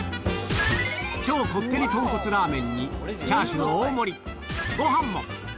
超こってりとんこつラーメンにチャーシュー大盛り、ごはんも。